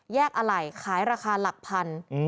แยกอะไหลขายราคาลักพันธุ์